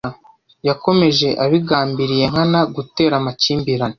Yakomeje abigambiriye nkana gutera amakimbirane.